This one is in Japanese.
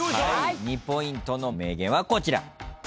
２ポイントの名言はこちら。